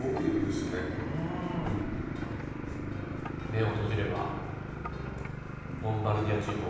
目を閉じればロンバルディア地方。